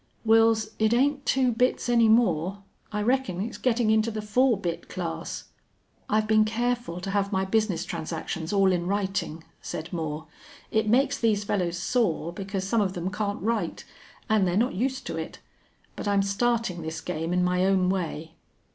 "Wils, it ain't two bits any more. I reckon it's gettin' into the four bit class." "I've been careful to have my business transactions all in writing," said Moore. "It makes these fellows sore, because some of them can't write. And they're not used to it. But I'm starting this game in my own way."